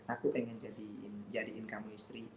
aku pengen jadiin kamu istri